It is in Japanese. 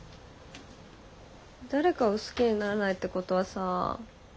誰かを好きにならないってことはさ